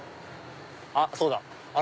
あっそうだ！